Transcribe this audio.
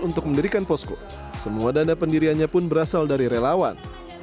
untuk mendirikan posko semua dana pendiriannya pun berasal dari relawan